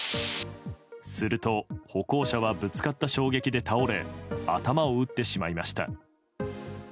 すると、歩行者はぶつかった衝撃で倒れ頭を打ってしまいました。